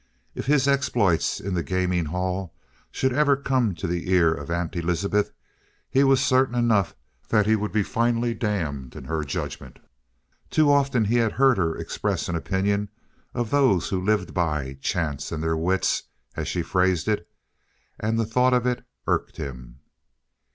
If his exploits in the gaming hall should ever come to the ear of Aunt Elizabeth, he was certain enough that he would be finally damned in her judgment. Too often he had heard her express an opinion of those who lived by "chance and their wits," as she phrased it. And the thought of it irked him.